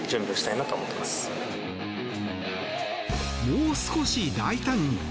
もう少し大胆に。